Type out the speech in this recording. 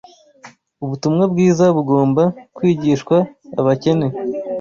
Ubutumwa bwiza bugomba kwigishwa abakene